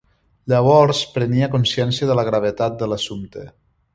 Llavors prenia consciència de la gravetat de l'assumpte.